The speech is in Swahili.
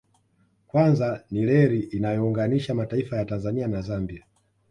Kwanza ni reli inayoyounganisha mataifa ya Tanzania na Zambia